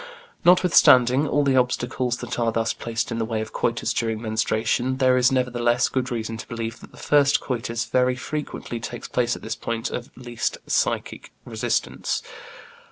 Notwithstanding all the obstacles that are thus placed in the way of coitus during menstruation, there is nevertheless good reason to believe that the first coitus very frequently takes place at this point of least psychic resistance.